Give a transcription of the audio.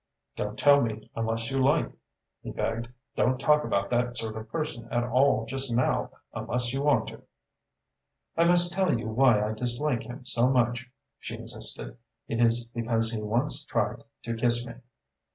"Don't tell me unless you like," he begged. "Don't talk about that sort of person at all just now, unless you want to." "I must tell you why I dislike him so much," she insisted. "It is because he once tried to kiss me."